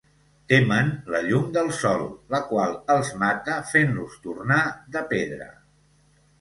Temen la llum del sol, la qual els mata fent-los tornar de pedra.